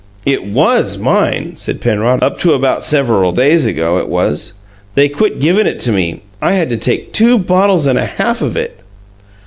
"It WAS mine," said Penrod. "Up to about serreval days ago, it was. They quit givin' it to me. I had to take two bottles and a half of it."